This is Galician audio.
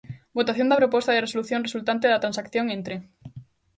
Votación da proposta de resolución resultante da transacción entre.